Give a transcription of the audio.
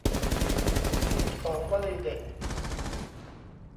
สิบสอง วลีเด็ด